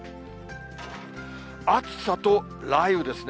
暑さと雷雨ですね。